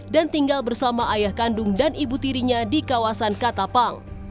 dan tinggal bersama ayah kandung dan ibu tirinya di kawasan katapang